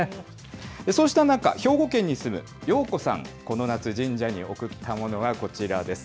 そうした中、兵庫県に住むようこさん、この夏、神社に送った物がこちらです。